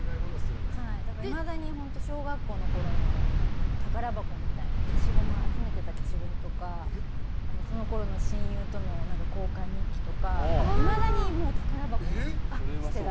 だから、いまだに小学校のころの宝箱みたいな集めてた消しゴムとかそのころの親友との交換日記とかいまだに宝箱の中にあって。